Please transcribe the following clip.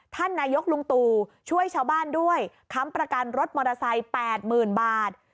ท่านนายกลุงตู่ช่วยชาวบ้านด้วยค้ำประกันรถมอเตอร์ไซค์๘๐๐๐บาท